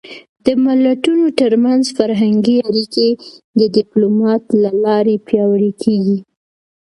د ملتونو ترمنځ فرهنګي اړیکې د ډيپلومات له لارې پیاوړې کېږي.